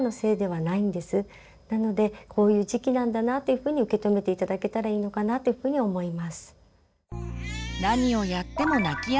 なのでこういう時期なんだなというふうに受け止めて頂けたらいいのかなというふうに思います。